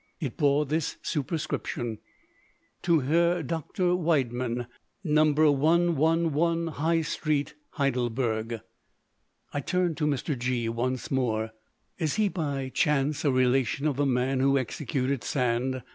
It bore this superscription: "To Herr doctor Widemann, No. III High Street, Heidelberg." I turned to Mr. G——once more. "Is he, by chance, a relation of the man who executed Sand?"